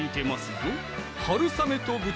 ぞ